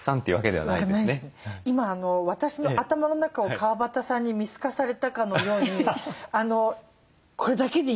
今私の頭の中を川端さんに見透かされたかのようにこれだけでいいんですね。